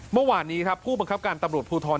เมื่อวานนี้ครับผู้บังคับการตำรวจภูทร